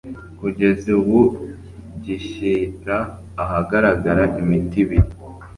kugeza ubu gishyira ahagaragara imiti ibiri